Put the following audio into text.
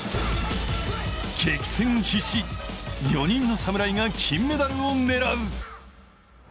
激戦必至４人の侍が金メダルを狙う。